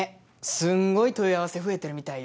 すんごい問い合わせ増えてるみたいよ